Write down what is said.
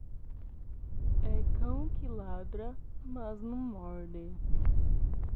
É cão que ladra, mas não morde.